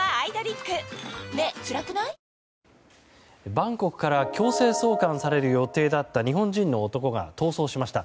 バンコクから強制送還される予定だった日本人の男が逃走しました。